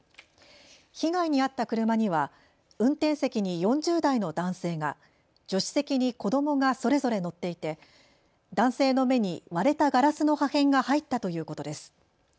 被害に遭った車には運転席に４０代の男性が、助手席に子どもがそれぞれ乗っていて男性の目に割れたガラスの破片が入ったということです。